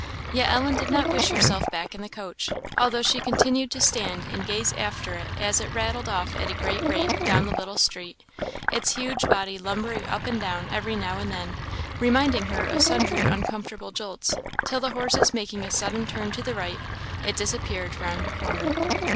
Yet Ellen did not wish herself back in the coach, although she continued to stand and gaze after it as it rattled off at a great rate down the little street, its huge body lumbering up and down every now and then, reminding her of sundry uncomfortable jolts; till the horses making a sudden turn to the right, it disappeared round a corner.